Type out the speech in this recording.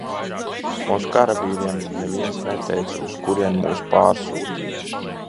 Mums karavīriem neviens neteica uz kurieni mūs pārsūta.